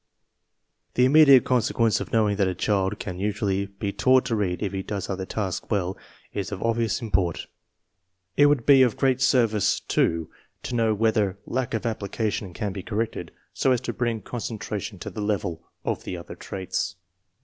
The immediate consequence of knowing that a child can usually be taught to read if he does other tasks well is of obvious import. It would be of great service, too, to know whether lack of application can be corrected so as to bring concentration to the level of the other traits.